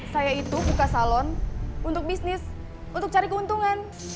saya itu buka salon untuk bisnis untuk cari keuntungan